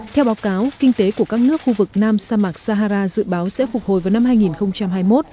theo báo cáo kinh tế của các nước khu vực nam sa mạc sahara dự báo sẽ phục hồi vào năm hai nghìn hai mươi một